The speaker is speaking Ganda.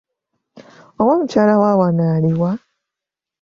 Oba omukyala wawano aliwa?